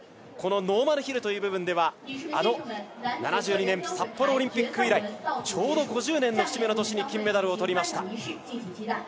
このノーマルヒルという部分ではあの７２年札幌オリンピック以来ちょうど５０年の節目の年に金メダルをとりました。